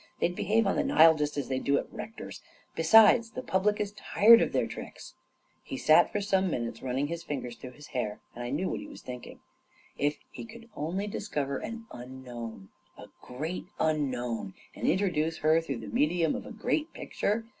They'd behave on the Nile just as they do at Rector's. Besides, the public is tired of their tricks." He sat for some minutes running his fingers through his hair, and I knew what he was think ing: if he could only discover an unknown, a great 30 A KING IN BABYLON unknown, and introduce her through the medium of a great picture